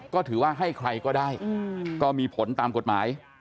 ก็ถือว่าให้ใครก็ได้ก็มีผลตามกฎหมาย